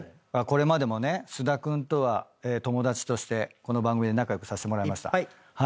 これまでもね菅田君とは友達としてこの番組で仲良くさせてもらいました。